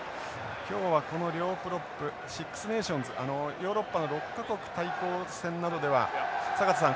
今日はこの両プロップシックス・ネーションズヨーロッパの６か国対抗戦などでは坂田さん